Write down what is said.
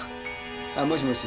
ああもしもし。